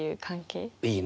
いいね。